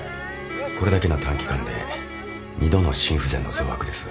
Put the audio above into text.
これだけの短期間で２度の心不全の増悪です。